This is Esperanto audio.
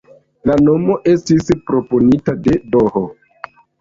La nomo estis proponita de "D.-h.